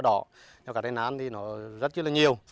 trong cả đên nán thì nó rất chí là nhiều